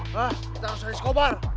hah kita harus cari skobar